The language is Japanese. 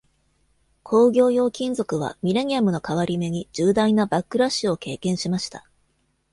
工業用金属は、ミレニアムの変わり目に重大なバックラッシュを経験しました。